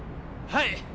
はい！